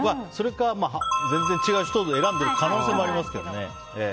それか、全然違う人を選んでる可能性もありますけどね。